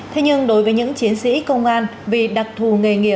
thế nhưng đối với những chiến sĩ công an